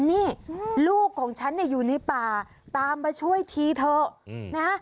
นี่ลูกของฉันอยู่ในป่าตามมาช่วยทีเถอะนะ